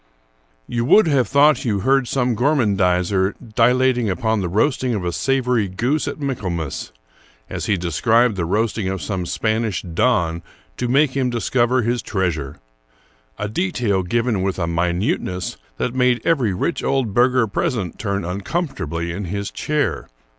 You would have thought you heard some gormandizer dilating upon the roasting of a savory goose at Michaelmas,* as he described the roasting of some Spanish don to make him discover his treasure, — a detail given with a minuteness that made every rich old burgher present turn uncomfortably in his chair.